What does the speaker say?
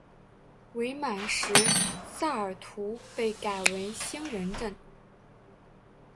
伪满时萨尔图被改为兴仁镇。